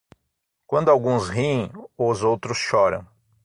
Quando alguns riem, os outros choram.